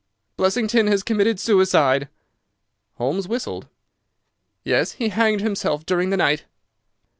"Blessington has committed suicide!" Holmes whistled. "Yes, he hanged himself during the night."